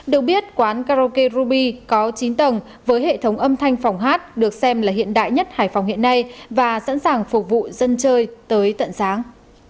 được biết quán karaoke ruby có chín tầng với hệ thống âm thanh phòng hát được xem là hiện đại nhất hải phòng hiện nay và sẵn sàng phục vụ dân chơi tới tận sáng